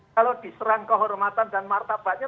kalau diserang kehormatan dan martabatnya